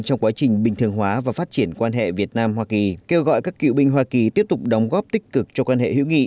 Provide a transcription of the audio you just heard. trong quá trình bình thường hóa và phát triển quan hệ việt nam hoa kỳ kêu gọi các cựu binh hoa kỳ tiếp tục đóng góp tích cực cho quan hệ hữu nghị